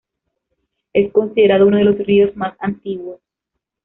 Es considerado uno de los ríos más antiguos.